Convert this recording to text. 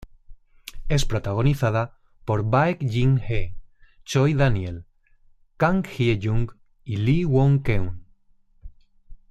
Es protagonizada por Baek Jin-hee, Choi Daniel, Kang Hye-jung y Lee Won-keun.